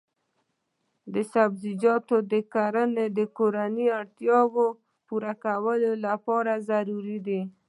د سبزیجاتو کرنه د کورنیو اړتیاوو پوره کولو لپاره ضروري ده.